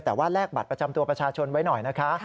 แต่ว่าแลกบัตรประจำตัวประชาชนไว้หน่อยนะคะ